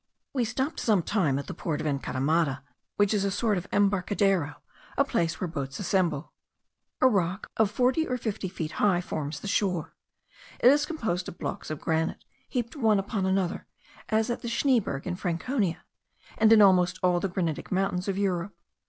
We stopped some time at the port of Encaramada, which is a sort of embarcadero, a place where boats assemble. A rock of forty or fifty feet high forms the shore. It is composed of blocks of granite, heaped one upon another, as at the Schneeberg in Franconia, and in almost all the granitic mountains of Europe.